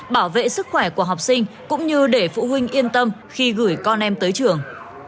bảo vệ sức khỏe của học sinh cũng như để phụ huynh yên tâm khi gửi con em tới trường